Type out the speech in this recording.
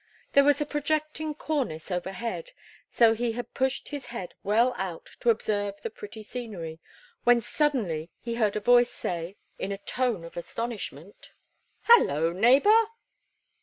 There was a projecting cornice overhead, so he had pushed his head well out to observe the pretty scenery, when suddenly he heard a voice say, in a tone of astonishment: "Hello, neighbor!"